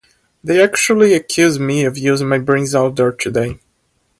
They actually accused me of using my brains out there today.